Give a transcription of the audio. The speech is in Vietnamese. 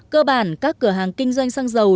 cơ bản các cửa hàng kinh doanh xăng dầu